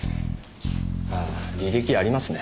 ああ履歴ありますね。